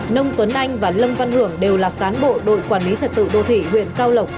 nông tuấn anh và lâm văn hưởng đều là cán bộ đội quản lý trật tự đô thị huyện cao lộc